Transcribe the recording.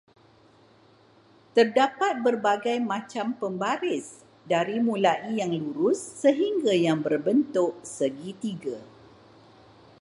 Terdapat berbagai macam pembaris, dari mulai yang lurus sehingga yang berbentuk segitiga.